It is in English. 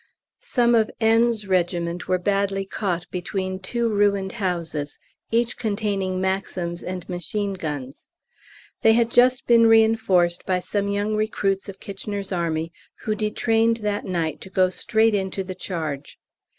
Some of N.'s regiment were badly caught between two ruined houses, each containing Maxims and machine guns. They had just been reinforced by some young recruits of K.'s Army who detrained that night to go straight into the charge.